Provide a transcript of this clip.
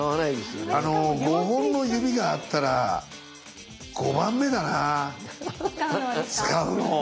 あの５本の指があったら５番目だな使うの。